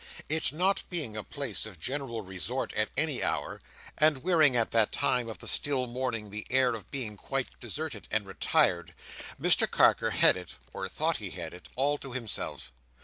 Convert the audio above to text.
It not being a place of general resort at any hour, and wearing at that time of the still morning the air of being quite deserted and retired, Mr Carker had it, or thought he had it, all to himself.